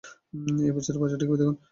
এই বেচারা বাচ্চাটিকে দেখুন!